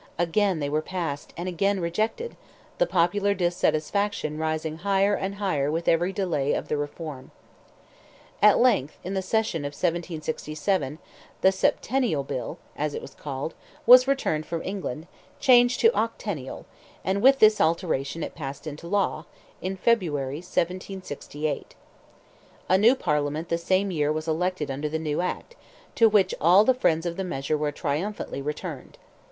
Again they were passed, and again rejected, the popular dissatisfaction rising higher and higher with every delay of the reform. At length, in the session of 1767, "the Septennial Bill," as it was called, was returned from England, changed to octennial, and with this alteration it passed into law, in February, 1768. A new Parliament the same year was elected under the new act, to which all the friends of the measure were triumphantly returned.